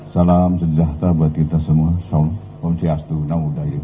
salam sejahtera buat kita semua